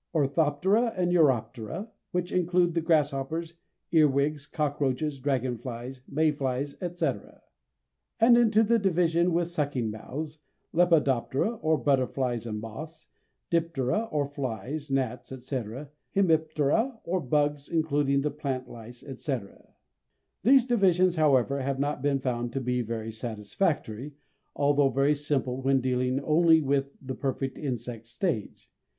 Orthoptera and Neuroptera, which include the grasshoppers, earwigs, cockroaches, dragonflies, May flies, etc. And into the division with sucking mouths: Lepidoptera, or butterflies and moths; Diptera or flies, gnats, etc.; Hemiptera, or bugs, including the plant lice, etc. These divisions, however, have not been found to be very satisfactory, although very simple when dealing only with the perfect insect stage.